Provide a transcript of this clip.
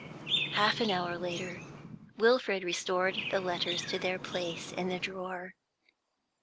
Half an hour later, Wilfrid restored the letters to their place in the drawer.